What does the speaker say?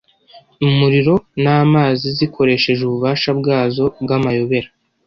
umuriro namazi zikoresheje ububasha bwazo bwamayobera